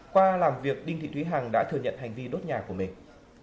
qua làm việc đinh thị thúy hằng đã thừa nhận hành vi đốt nhà của mình